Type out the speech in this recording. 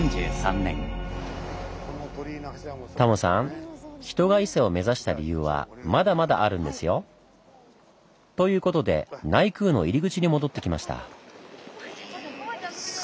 タモさん人が伊勢を目指した理由はまだまだあるんですよ。ということで内宮の入り口に戻ってきました。